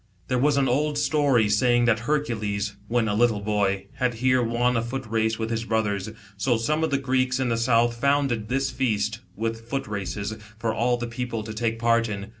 There was an old story saying that Hei'cules, when a little boy, had here won a foot race with his brothers, so some of the Greeks in the south, founded this feast, with foot races, for all the people to take part in.